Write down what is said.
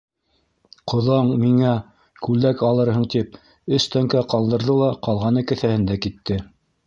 Ҡоҙаң миңә, күлдәк алырһың тип, өс тәңкә ҡалдырҙы ла, ҡалғаны кеҫәһендә китте.